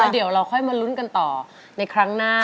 เดี๋ยวเราค่อยมาลุ้นกันต่อในครั้งหน้า